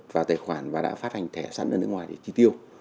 vào tài khoản và đã phát hành thẻ sẵn ở nước ngoài để chi tiêu